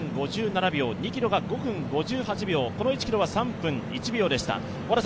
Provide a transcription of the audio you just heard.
１ｋｍが２分５７秒、この１ｋｍは３分１秒でした。